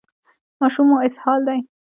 ماشوم مو اسهال دی؟